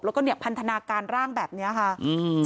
แล้วก็เนี่ยพันธนาการร่างแบบเนี้ยค่ะอืม